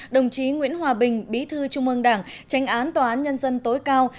đồng chí nguyễn hòa bình bí thư trung ương đảng tránh án tòa án nhân dân tối cao